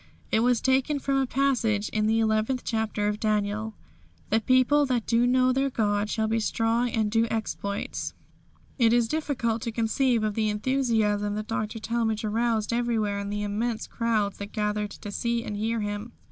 It was taken from a passage in the eleventh chapter of Daniel: "The people that do know their God shall be strong and do exploits." It is difficult to conceive of the enthusiasm that Dr. Talmage aroused everywhere the immense crowds that gathered to see and hear him.